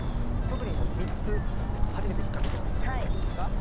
特にもう３つ初めて知ったこと教えてもらっていいですか？